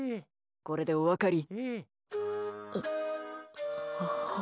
これでお分かり？